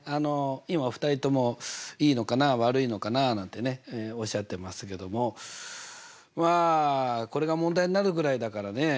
今お二人ともいいのかなあ悪いのかなあなんてねおっしゃってましたけどもまあこれが問題になるぐらいだからねえ。